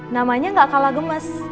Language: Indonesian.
namanya gak kalah gemes